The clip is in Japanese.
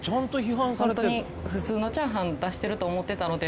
ほんとに普通のチャーハン出してると思ってたので。